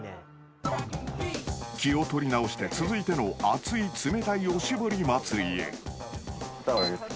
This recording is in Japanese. ［気を取り直して続いての熱い冷たいおしぼり祭りへ］